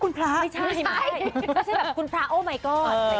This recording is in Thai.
คุณพระไม่ใช่ไม่ใช่ไม่ใช่แบบคุณพระโอ้ไม่ก็อดแต่งี้